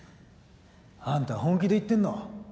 あんた本気で言ってんの？